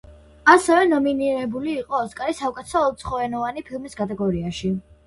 ასევე ნომინირებული იყო ოსკარი საუკეთესო უცხოენოვანი ფილმის კატეგორიაში.